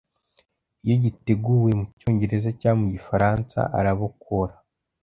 iyo giteguwe mu cyongereza cyangwa mu gifaransa arabokora